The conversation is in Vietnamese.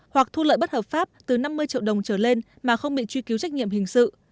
hoặc thu lợi bất hợp pháp từ năm mươi triệu đồng trở lên mà không bị truy cứu trách nhiệm hình sự